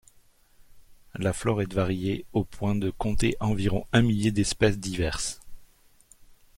La flore est variée au point de compter environ un millier d’espèces diverses.